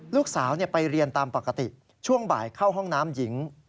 ลูกสาวไปเรียนตามปกติช่วงบ่ายเข้าห้องน้ำหญิง